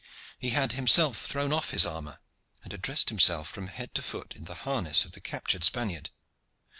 He had himself thrown off his armor, and had dressed himself from head to foot in the harness of the captured Spaniard.